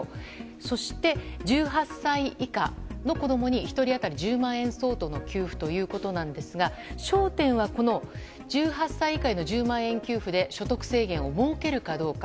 そして、１８歳以下の子供に１人当たり１０万円相当の給付ということですが焦点は１８歳以下への１０万円給付で所得制限を設けるかどうか。